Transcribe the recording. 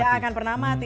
gak akan pernah mati